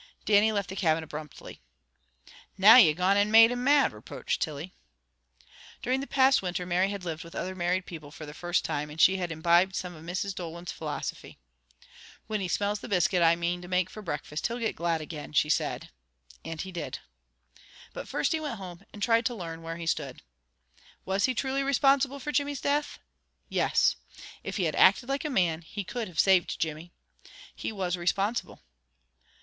Dannie left the cabin abruptly. "Now you gone and made him mad!" reproached Tilly. During the past winter Mary had lived with other married people for the first time, and she had imbibed some of Mrs. Dolan's philosophy. "Whin he smells the biscuit I mane to make for breakfast, he'll get glad again," she said, and he did. But first he went home, and tried to learn where he stood. WAS HE TRULY RESPONSIBLE FOR JIMMY'S DEATH? Yes. If he had acted like a man, he could have saved Jimmy. He was responsible.